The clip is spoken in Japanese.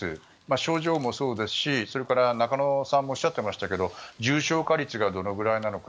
症状もそうですし中野さんもおっしゃっていましたけど重症化率がどのぐらいなのか。